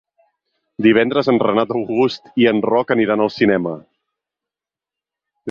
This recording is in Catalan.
Divendres en Renat August i en Roc aniran al cinema.